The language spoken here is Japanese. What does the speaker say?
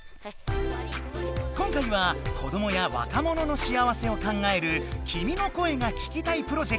今回は子どもやわかもののしあわせを考える「君の声が聴きたい」プロジェクト。